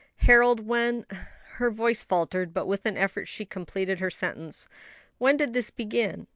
"Harold, when " her voice faltered, but with an effort she completed her sentence "when did this begin?"